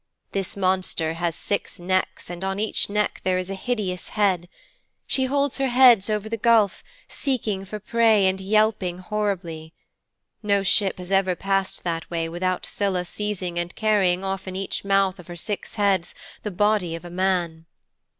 This monster has six necks and on each neck there is a hideous head. She holds her heads over the gulf, seeking for prey and yelping horribly. No ship has ever passed that way without Scylla seizing and carrying off in each mouth of her six heads the body of a man."'